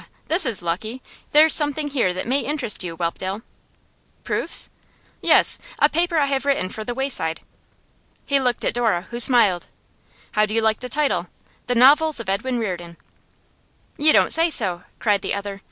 this is lucky. There's something here that may interest you, Whelpdale.' 'Proofs?' 'Yes. A paper I have written for The Wayside.' He looked at Dora, who smiled. 'How do you like the title? "The Novels of Edwin Reardon!"' 'You don't say so!' cried the other.